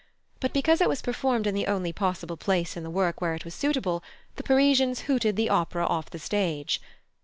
But because it was performed in the only possible place in the work where it was suitable, the Parisians hooted the opera off the stage.